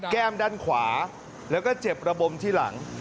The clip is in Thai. แก้มด้านขวาแล้วก็เจ็บระบมที่หลัง